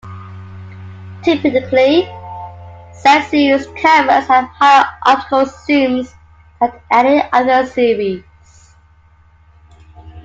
Typically, Z-Series cameras have higher optical zooms than any other series.